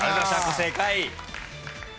正解。